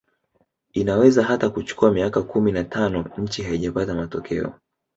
Inaweza hata kuchukua miaka kumi na tano nchi haijapata matokeo